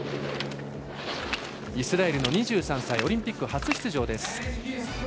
イスラエルの２３歳オリンピック初出場です。